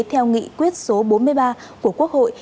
theo nghị quyết số bốn mươi ba của quốc hội